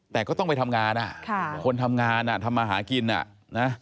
แต่ก็ต้องไปทำงานคนทำงานอ่ะทำมาหากินอ่ะนะ